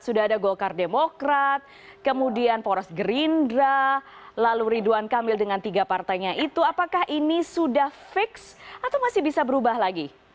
sudah ada golkar demokrat kemudian poros gerindra lalu ridwan kamil dengan tiga partainya itu apakah ini sudah fix atau masih bisa berubah lagi